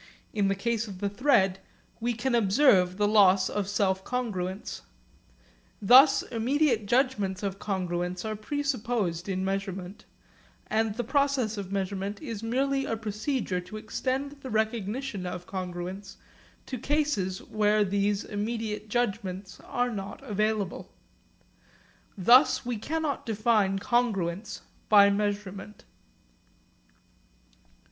In the case of the thread we can observe the loss of self congruence. Thus immediate judgments of congruence are presupposed in measurement, and the process of measurement is merely a procedure to extend the recognition of congruence to cases where these immediate judgments are not available. Thus we cannot define congruence by measurement.